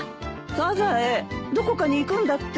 サザエどこかに行くんだって？